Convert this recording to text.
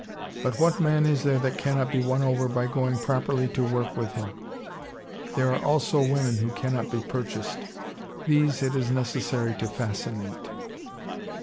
But what man is there that cannot be won over by going properly to work with him? There are also women who cannot be purchased. These it is necessary to fascinate.